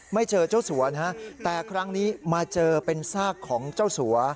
ไม่เจอเจ้าสัวฮะแต่ครั้งนี้มาเจอเป็นซากของเจ้าสัว